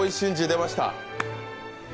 出ました。